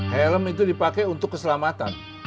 helm itu dipakai untuk keselamatan